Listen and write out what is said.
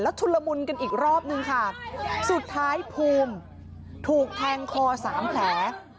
ชุนละมุนกันอีกรอบนึงค่ะสุดท้ายภูมิถูกแทงคอสามแผล